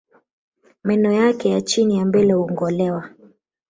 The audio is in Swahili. Meno yake ya chini ya mbele hungolewa